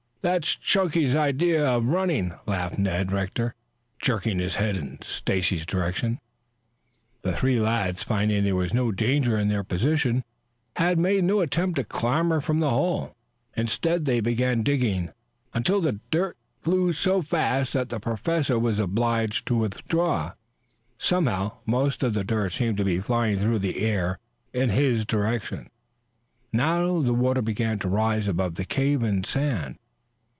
"That's Chunky's idea of running," laughed Ned Rector, jerking his head in Stacy's direction. The three lads finding there was no danger in their position, had made no attempt to clamber from the hole. Instead, they began digging, until the dirt flew so fast that the Professor was obliged to withdraw. Somehow most of the dirt seemed to be flying through the air right in his direction. Now the water began to rise above the caved in sand.